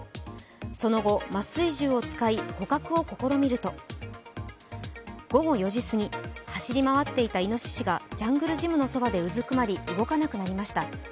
その後、麻酔銃を使い、捕獲を試みると午後４時すぎ、走り回っていたいのししがジャングルジムのそばでうずくまり動かなくなりました。